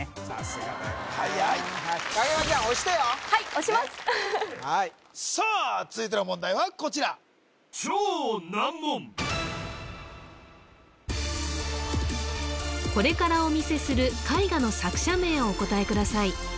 影山ちゃん押してよはい押しますさあ続いての問題はこちらこれからお見せする絵画の作者名をお答えください